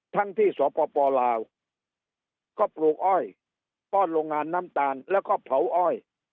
ทั้งที่สปลาวก็ปลูกอ้อยป้อนโรงงานน้ำตาลแล้วก็เผาอ้อย